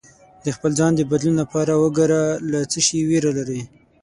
د خپل ځان د بدلون لپاره وګره له څه شي ویره لرې